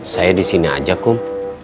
saya di sini aja kok